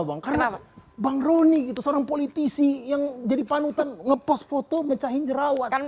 bang karena bang roni gitu seorang politisi yang jadi panutan ngepost foto mecahin jerawat